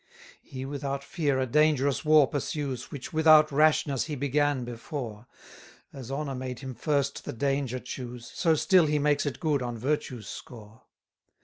45 He without fear a dangerous war pursues, Which without rashness he began before: As honour made him first the danger choose, So still he makes it good on virtue's score.